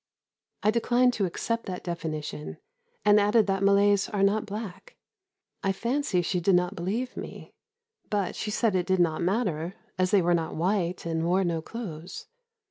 I declined to accept that definition, and added that Malays are not black. I fancy she did not believe me; but she said it did not matter, as they were not white and wore no clothes.